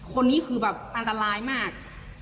คนนี้คือแบบอันตรายมาก